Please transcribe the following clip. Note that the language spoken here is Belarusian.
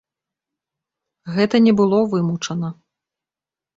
Гэта не было вымучана.